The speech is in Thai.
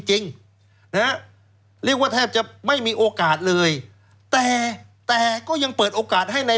จริงนะเรียกว่าแทบจะไม่มีโอกาสเลยแต่แต่ก็ยังเปิดโอกาสให้ใน